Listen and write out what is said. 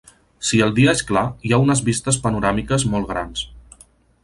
Si el dia és clar, hi ha unes vistes panoràmiques molt grans.